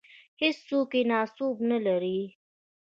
هېڅوک یې ناسوب نه لري.